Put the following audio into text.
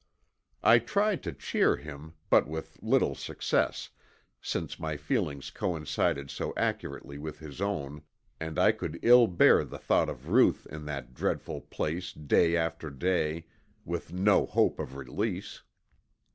I tried to cheer him, but with little success, since my feelings coincided so accurately with his own and I could ill bear the thought of Ruth in that dreadful place day after day, with no hope of release.